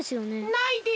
ないです。